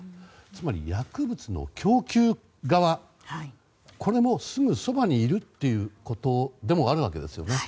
つまり薬物の供給側これもすぐそばにいるということでもあるわけですよね。